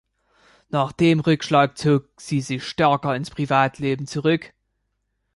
Nach diesem Rückschlag zog sie sich stärker ins Privatleben zurück.